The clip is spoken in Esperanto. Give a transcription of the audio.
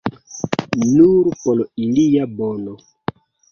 Nur por ilia bono.